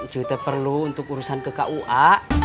njui terperlu untuk urusan ke kua